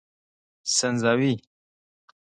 سنځاوي